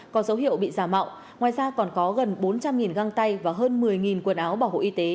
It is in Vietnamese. có dấu hiệu bị giả mạo ngoài ra còn có gần bốn trăm linh găng tay và hơn một mươi quần áo bảo hộ y tế